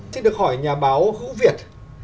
xin được hỏi nhà báo hữu việt